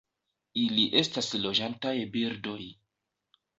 Ili estas loĝantaj birdoj.